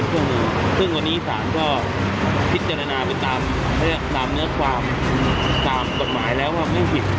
ซึ่งวันนี้สารก็พิจารณาไปตามเนื้อความกรรมกฎหมายแล้วว่าไม่ผิด